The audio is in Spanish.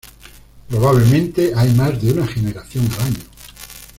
Probablemente hay más de una generación al año.